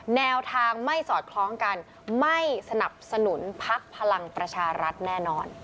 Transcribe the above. แนวทางไม่สอดคล้องกันไม่สนับสนุนพักพลังประชารัฐแน่นอน